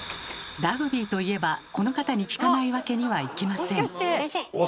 ラグビーといえばこの方に聞かないわけにはいきません。